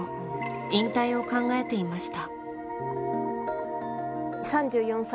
引退を考えていました。